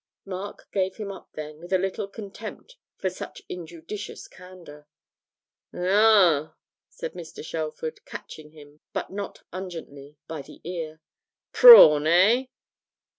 Mark gave him up then, with a little contempt for such injudicious candour. 'Oh!' said Mr. Shelford, catching him, but not ungently, by the ear. '"Prawn," eh?